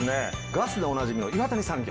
ガスでおなじみの岩谷産業。